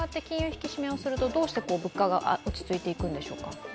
引き締めをするとどうして物価が落ち着いていくんでしょうか。